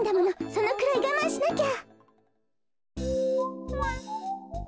そのくらいがまんしなきゃ。